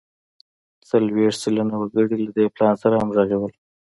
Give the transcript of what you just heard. څلوېښت سلنه وګړي له دې پلان سره همغږي وو.